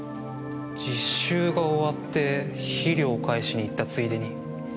実習が終わって肥料を返しに行ったついでに。